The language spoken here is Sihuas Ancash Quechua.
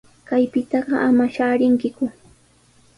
Kaypitaqa ama shaarinkiku.